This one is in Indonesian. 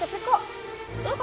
ya aku udah perintah